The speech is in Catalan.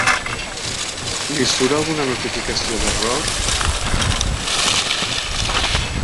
Li surt alguna notificació d'error?